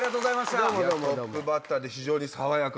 トップバッターで非常に爽やか。